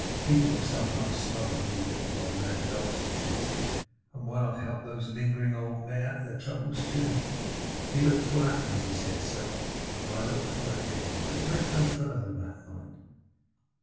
People were sometimes smothered who were bitten by mad dogs, he said; and why not help these lingering old men out of their troubles too? He looked full at me as he said so, and I looked full at him; but it went no farther that night.